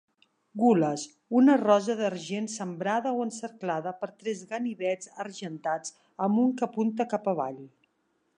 Gules, una rosa d'argent sembrada o encerclada per tres ganivets argentats amb un que apunta cap avall.